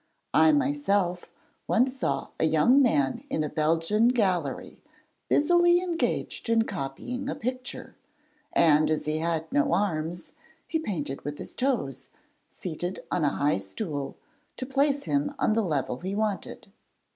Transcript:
I myself once saw a young man in a Belgian gallery busily engaged in copying a picture, and as he had no arms he painted with his toes, seated on a high stool, to place him on the level he wanted.